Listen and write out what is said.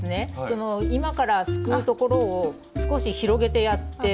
その今からすくうところを少し広げてやって。